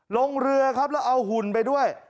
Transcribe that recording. ลงเรือครับแล้วเอาหุ่นไปด้วย